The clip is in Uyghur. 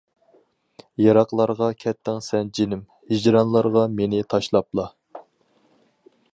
يىراقلارغا كەتتىڭ سەن جېنىم، ھىجرانلارغا مېنى تاشلاپلا.